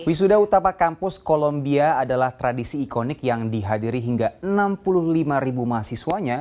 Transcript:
wisuda utama kampus kolombia adalah tradisi ikonik yang dihadiri hingga enam puluh lima ribu mahasiswanya